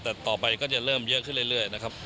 แต่ต่อไปก็จะเริ่มเยอะขึ้นเรื่อยนะครับ